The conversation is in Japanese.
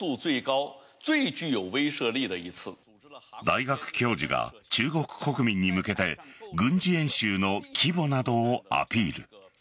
大学教授が中国国民に向けて軍事演習の規模などをアピール。